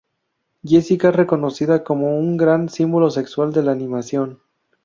Jessica es reconocida como un gran símbolo sexual de la animación.